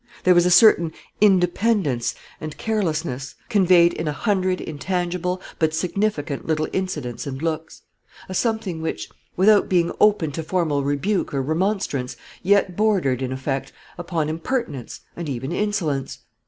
There was a certain independence and carelessness, conveyed in a hundred intangible but significant little incidents and looks a something which, without being open to formal rebuke or remonstrance, yet bordered, in effect, upon impertinence, and even insolence.